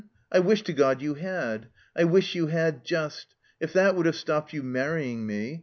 I wish to God you had. I wish you had just! If that would have stopped you manying me.